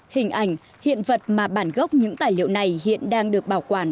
hình ảnh hiện vật mà bản gốc những tài liệu này hiện đang được bảo quản